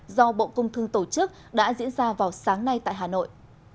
do bộ công thương tổ chức đã diễn ra vào sáng nay tại hà nội